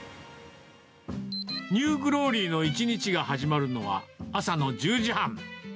ニューグローリーの一日が始まるのは、朝の１０時半。